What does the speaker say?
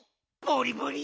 ボリボリ！